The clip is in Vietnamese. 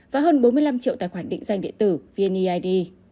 và hơn bốn mươi năm triệu tài khoản định danh điện tử vneid